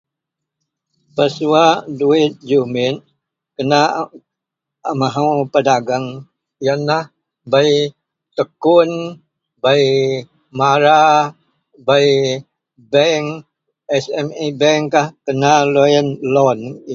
Pesuwak duwit jumit kena a..a mahou pedageng yenlah bei TEKUN, bei MARA, bei bank, SME Bank kah kena loyen loan.